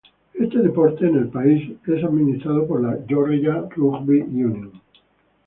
Este deporte en el país es administrado por la Georgia Rugby Union.